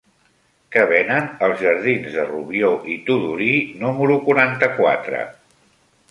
Què venen als jardins de Rubió i Tudurí número quaranta-quatre?